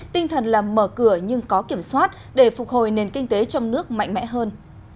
tinh thần là mở cửa nhưng có kiểm soát để phục hồi nền kinh tế trong nước mạnh mẽ hơn